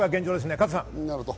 加藤さん。